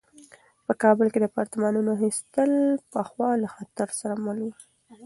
په کابل کې د اپارتمانونو اخیستل پخوا له خطر سره مل وو.